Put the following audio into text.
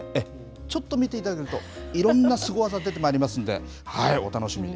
ちょっと見ていただくと、いろんなスゴワザ出てきますので、お楽しみに。